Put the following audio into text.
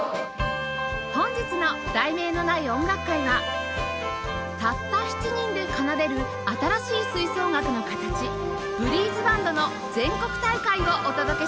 本日の『題名のない音楽会は』たった７人で奏でる新しい吹奏楽の形「ブリーズバンド」の全国大会をお届けします